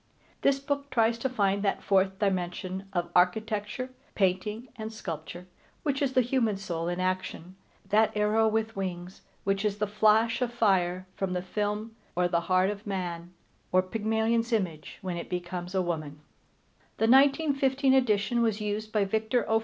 This book tries to find that fourth dimension of architecture, painting, and sculpture, which is the human soul in action, that arrow with wings which is the flash of fire from the film, or the heart of man, or Pygmalion's image, when it becomes a woman. The 1915 edition was used by Victor O.